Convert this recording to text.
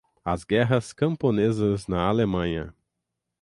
As guerras camponesas na Alemanha